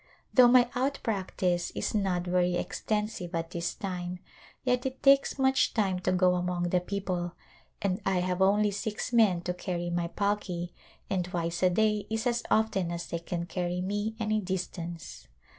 Though my out practice is not very extensive at this time yet it takes much time to go among the people and I have only six men to carry my palki and twice a day is as often as they can carry me any distance.